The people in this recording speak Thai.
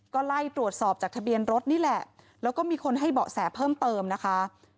ก็ไล่ตรวจสอบจากทะเบียนรถนี่แหละแล้วก็มีคนให้เบาะแสเพิ่มเติมนะคะ